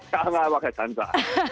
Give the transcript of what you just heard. saya pakai santar